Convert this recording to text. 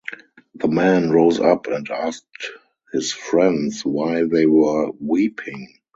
The man rose up and asked his friends why they were weeping.